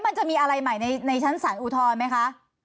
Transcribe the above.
มันจะมีอะไรใหม่ในชั้นสารอุทธรณ์ไหมคะ